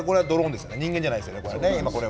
もちろん人間じゃないですよね。